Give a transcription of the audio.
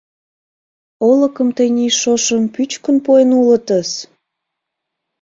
Олыкым тений шошым пӱчкын пуэн улытыс!